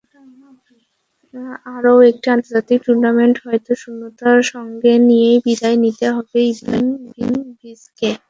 আরও একটি আন্তর্জাতিক টুর্নামেন্টে হয়তো শূন্যতা সঙ্গে নিয়েই বিদায় নিতে হবে ইব্রাহিমোভিচকে।